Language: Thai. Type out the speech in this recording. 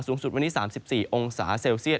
สูงสุดวันนี้๓๔องศาเซลเซียต